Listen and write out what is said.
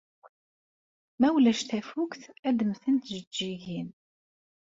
Ma ulac tafukt, ad mmtent tjeǧǧigin.